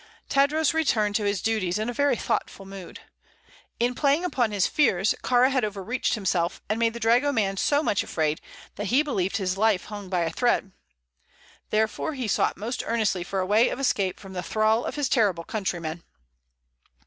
Tadros returned to his duties in a very thoughtful mood. In playing upon his fears, Kāra had overreached himself, and made the dragoman so much afraid that he believed his life hung by a thread. Therefore, he sought most earnestly for a way of escape from the thrall of his terrible countryman.